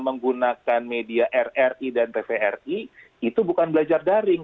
menggunakan media rri dan tvri itu bukan belajar daring